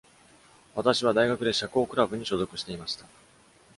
私は、大学で社交クラブに所属していました。